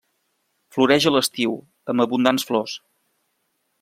Floreix a l'estiu, amb abundants flors.